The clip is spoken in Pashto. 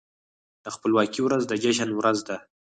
د خپلواکۍ ورځ د جشن ورځ ده.